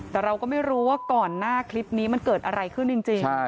แต่เราก็ไม่รู้ว่าก่อนหน้าคลิปนี้มันเกิดอะไรขึ้นจริง